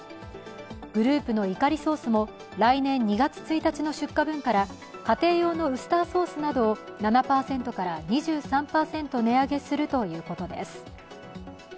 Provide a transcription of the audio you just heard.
グループのイカリソースも来年２月１日の出荷分から家庭用のウスターソースなどを７％から２３％値上げするということです。